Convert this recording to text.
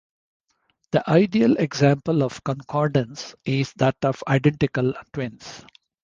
The ideal example of concordance is that of identical twins.